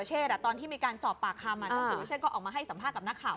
เช่นตอนที่มีการสอบปากคามฉันก็ออกมาให้สัมภาษณ์กับนักข่าว